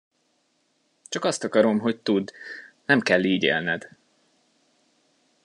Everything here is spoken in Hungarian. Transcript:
Csak azt akarom, hogy tudd, nem kell így élned.